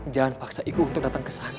jangan paksa ibu untuk datang ke sana